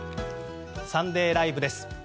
「サンデーＬＩＶＥ！！」です。